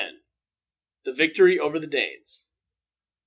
THE VICTORY OVER THE DANES.